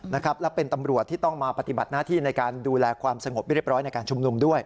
และเป็นตำรวจที่ต้องมาปฏิบัติหน้าที่ในการดูแลความสงบเรียบร้อยในการชุมนุมด้วย